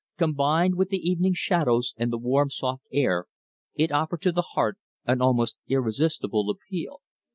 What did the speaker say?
Combined with the evening shadows and the warm soft air, it offered to the heart an almost irresistible appeal.